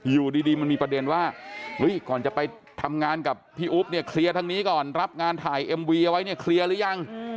อยู่ดีมันมีประเด็นว่าก่อนจะไปทำงานกับพี่อุ๊บเนี่ยเคลียร์ทางนี้ก่อนรับงานถ่ายเอ็มวีเอาไว้เนี่ยเคลียร์หรือยัง